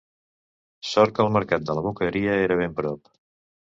Sort que el mercat de la Boqueria era ben prop.